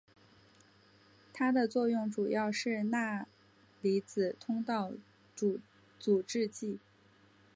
它的作用主要是钠离子通道阻滞剂。